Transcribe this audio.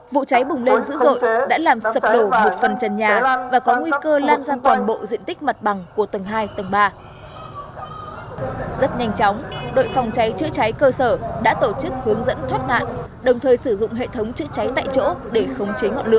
vụ cháy bùng lên dữ dội đã làm sập đổ một phần trần nhà và có nguy cơ lan ra toàn bộ diện tích mặt bằng của tầng hai tầng ba